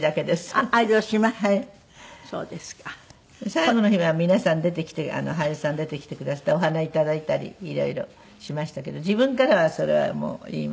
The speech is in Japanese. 最後の日は皆さん出てきて俳優さん出てきてくだすってお花頂いたり色々しましたけど自分からはそれはもう言いません。